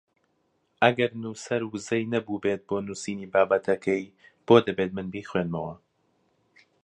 ئەگەر نووسەر ووزەی نەبووبێت بۆ نووسینی بابەتەکەی بۆ دەبێت من بیخوێنمەوە؟